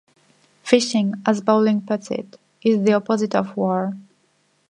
'Fishing', as Bowling puts it, 'is the opposite of war'.